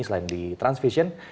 selain di transvision